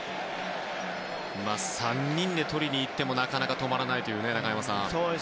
３人でとりに行ってもなかなか止まらないという。